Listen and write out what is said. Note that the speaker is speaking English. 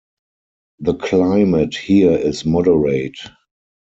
The climate here is moderate.